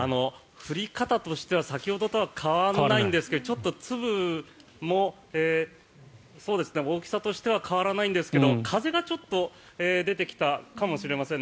降り方としては先ほどとは変わらないんですが粒も、大きさとしては変わらないんですけども風が、ちょっと出てきたかもしれませんね。